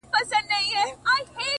• جهاني څه به پر پردیو تهمتونه وایو ,